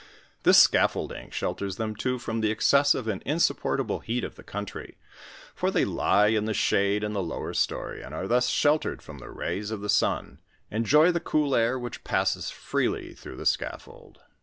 This scaf folding shelters them too from the excessive and insupport able heat of the country ; for they lie in the shade in the lower story, and are thus sheltered from the rays of the sun, enjoy the cool air which passes freely through the scaffold.